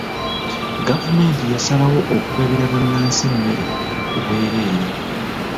Gavumenti yasalawo okugabira bannansi emmere ku bwereere.